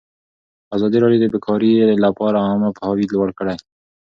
ازادي راډیو د بیکاري لپاره عامه پوهاوي لوړ کړی.